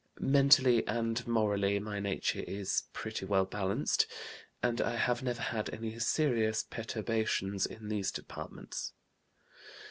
Mentally and morally my nature is pretty well balanced, and I have never had any serious perturbations in these departments.